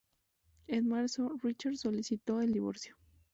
En marzo, Richards solicitó el divorcio.